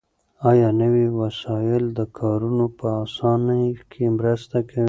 آیا نوي وسایل د کارونو په اسانۍ کې مرسته کوي؟